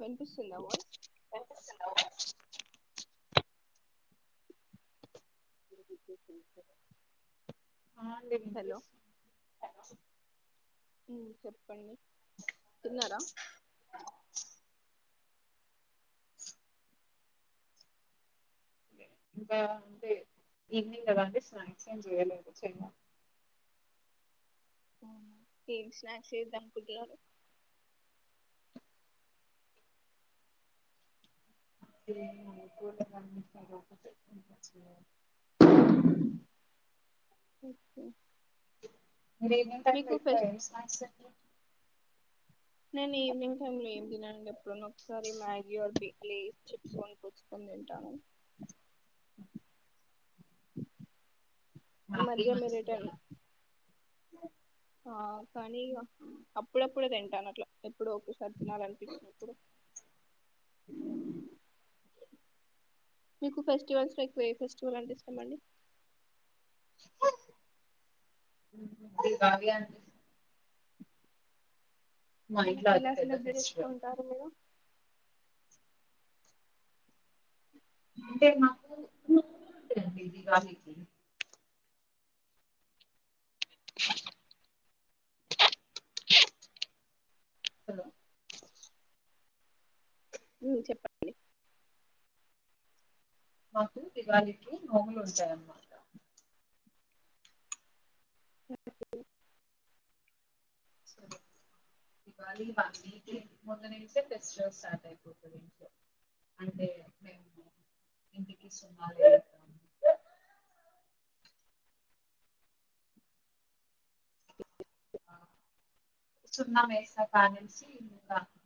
వినిపిస్తుంద వయిస్ వినిపిస్తుందా [inaudible] ఆ అండి హలో వినిపిస్తుంది మ్ చెప్పండి తిన్నారా గా దే ఈవినింగ్ కదా అండి స్నాక్స్ ఎం చేయలేదు చమన్ ఆహా ఎం స్నాక్స్ చేద్దాం అనుకుంటున్నారు ఇంకేమీ అనుకోలేదండి [unintelligible] ఓకే మీర్ ఎం ఎం టైమ్ లో మీకు ఎక్కువ ఫస్ట్ ఏం స్నాక్స్ చేస్తారు నేను ఈవినింగ్ టై లో ఏం తినండి ఎప్పుడు ఒకసారి మ్యాగీ ఆర్ బి లేస్ చిప్స్ కొంకొస్తాన్ తింటా ఈ మ్యాగీ మధ్య మీర్ మంచిది ఎటైన్ కాదు ఆ కానీ ఈగ అప్పుడప్పుడే తింటాను అట్లా ఎప్పుడో ఒకసారి తినాల అనిపించినప్పుడు మీకు ఫెస్టివల్స్ లో ఎక్కువ ఎ ఫెస్టివల్ అంటే ఇష్టం అండి కావి మా ఇంట్లో అదే ఎలా పెద్ద సెలబ్రేట్ ఫెస్టివల్ చేసుకుంటారు మీరు అంటే మాకుండి ఇది అ ఉ చెప్పండి మాకు దివాళికి నోములు ఉంటాయన్నమాట. సరే దివాళి ఇవన్నీ ముందునుంచే ఫెస్టివల్ స్టార్ట్ అయిపోతుంది ఇంట్లో. అంటే మేము ఇంటికి సున్నాలు ఎపిద్దాం అ సున్నా మేసా కానుంచి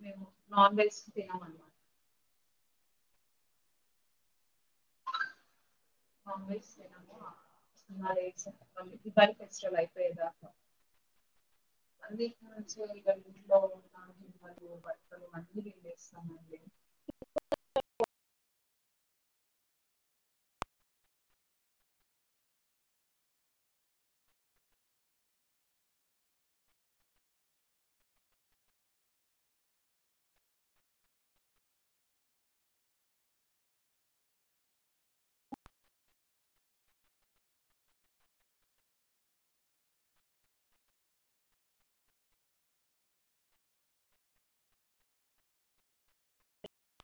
మేము నాన్ వెజ్ తినం అనమాట. నాన్ వెజ్ తినము మరి దివాళి ఫెస్టివల్ అయిపోద్దా అవి ఇంట్లో ఉన్న బట్టలు అన్ని పిండేస్తామండి